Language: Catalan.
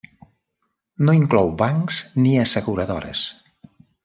No inclou bancs ni asseguradores.